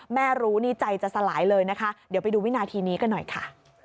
แม่รู้นี่ใจจะสลายเลยนะคะเดี๋ยวไปดูวินาทีนี้กันหน่อยค่ะ